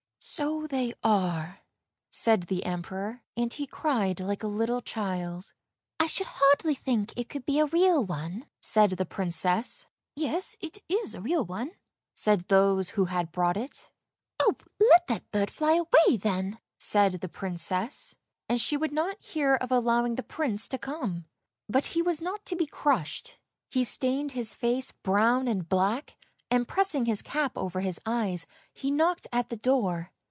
" So they are," said the Emperor, and he cried like a little child. " I should hardly think it could be a real one," said the Princess. " Yes, it is a real one," said those who had brought it. " Oh, let that bird fly away then," said the Princess, and she would not hear of allowing the Prince to come. But he was not to be crushed; he stained his face brown and black, and, pressing his cap over his eyes, he knocked at the door.